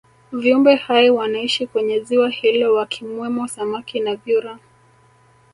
viumbe hai wanaishi kwenye ziwa hilo wakimwemo samaki na vyura